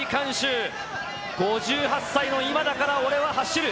５８歳の今だから俺は走る。